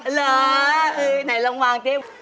เหรอไหนลงวางเต้น